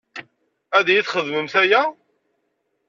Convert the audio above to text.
Ad iyi-txedmemt aya?